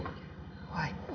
saya masih harus balik ke kantor